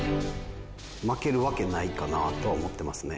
負けるわけないかなとは思ってますね。